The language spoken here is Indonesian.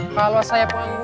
kalau saya pengangguran